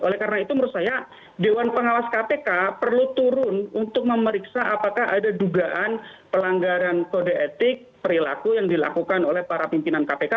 oleh karena itu menurut saya dewan pengawas kpk perlu turun untuk memeriksa apakah ada dugaan pelanggaran kode etik perilaku yang dilakukan oleh para pimpinan kpk